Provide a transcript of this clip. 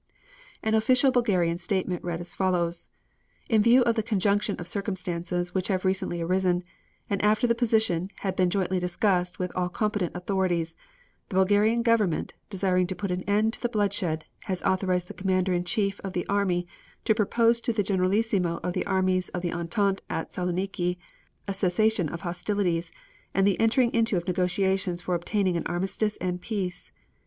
An official Bulgarian statement read as follows: "In view of the conjunction of circumstances which have recently arisen, and after the position had been jointly discussed with all competent authorities, the Bulgarian Government, desiring to put an end to the bloodshed, has authorized the Commander in Chief of the army to propose to the Generalissimo of the armies of the Entente at Saloniki, a cessation of hostilities, and the entering into of negotiations for obtaining an armistice and peace.